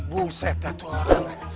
buset ya itu orang